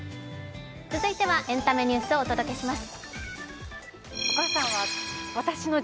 続いてはエンタメニュースをお届けします。